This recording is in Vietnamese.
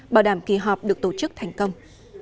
bảo đảm kỳ họp được tổ chức thành công